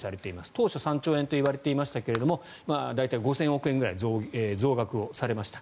当初３兆円といわれていましたが大体５０００億円ぐらい増額されました。